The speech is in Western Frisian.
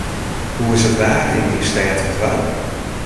Hoe is it waar yn dyn stêd of doarp?